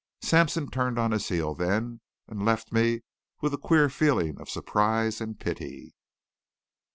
Sampson turned on his heel then and left me with a queer feeling of surprise and pity.